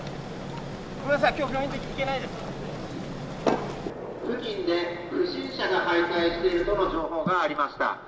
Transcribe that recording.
ごめんなさい、付近で不審者がはいかいしているとの情報がありました。